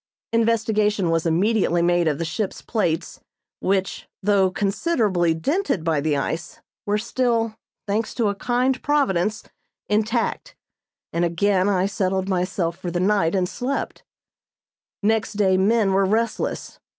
Investigation was immediately made of the ship's plates, which, though considerably dented by the ice, were still, thanks to a kind Providence, intact; and again I settled myself for the night and slept. Next day men were restless.